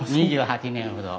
２８年ほど。